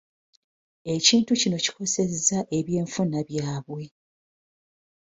Ekintu kino kikosezza ebyenfuna byabwe.